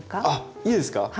あっいいですか？